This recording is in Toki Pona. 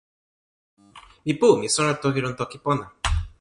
mi pu. mi sona toki lon toki pona.